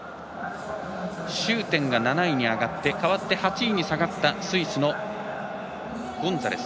シューテンが７位に上がって代わって８位に下がったスイスのゴンザレス。